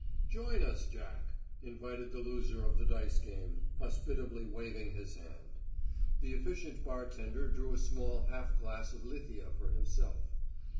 "Join us, Jack," invited the loser of the dice game, hospitably waving his hand. The efficient bartender drew a small half glass of lithia for himself.